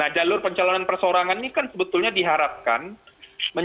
karena ini adalah recognized trad ketiga di indonesia